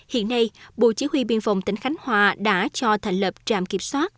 hiện nay bộ chỉ huy biên phòng tỉnh khánh hòa đã cho thành lập trạm kiểm soát